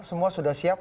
semua sudah siap